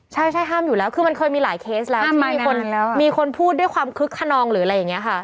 ใช่ใช่ห้ามอยู่แล้วคือมันเคยมีหลายเคสแล้วห้ามมีคนพูดด้วยความคึกขนองหรืออะไรอย่างนี้ค่ะ